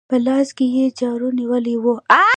په لاس کې يې جارو نيولې وه.